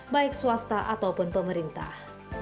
baik swasta ataupun pemerintah